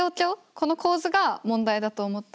この構図が問題だと思ってる。